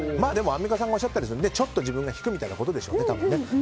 アンミカさんがおっしゃったようにちょっと自分が引くみたいなことでしょうね。